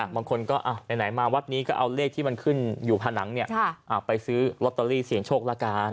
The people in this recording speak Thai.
บางคนก็ไหนมาวัดนี้ก็เอาเลขที่มันขึ้นอยู่ผนังไปซื้อลอตเตอรี่เสียงโชคละกัน